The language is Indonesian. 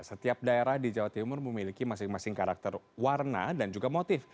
setiap daerah di jawa timur memiliki masing masing karakter warna dan juga motif